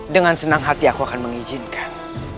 dengan senang hati aku akan mengizinkan